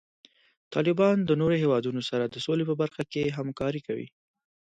طالبان د نورو هیوادونو سره د سولې په برخه کې همکاري کوي.